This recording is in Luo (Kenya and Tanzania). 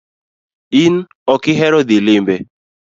In okihero dhii limbe